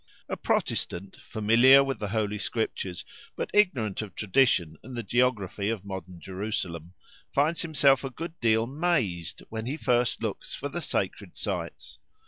A Protestant, familiar with the Holy Scriptures, but ignorant of tradition and the geography of modern Jerusalem, finds himself a good deal "mazed" when he first looks for the sacred sites.